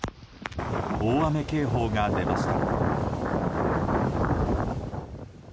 大雨警報が出ました。